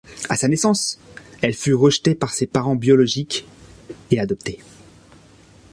À sa naissance, elle fut rejetée par ses parents biologiques et adoptée.